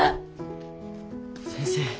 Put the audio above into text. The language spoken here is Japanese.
先生。